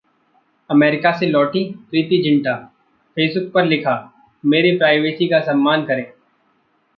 America से लौटीं Preity Zinta, Facebook पर लिखा- मेरी प्राइवेसी का सम्मान करें